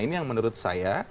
ini yang menurut saya